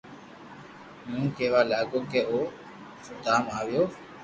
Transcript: ھون ڪيوا لاگيو ڪو او سودام آويو